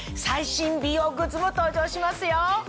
最新美容グッズも登場しますよ。